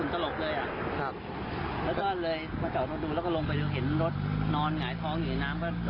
ก็โดดลงไปช่วยกัน๒คน